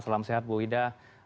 selamat siang ibu ida